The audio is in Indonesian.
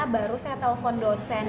baru saya telepon dosen